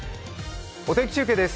お天気中継です。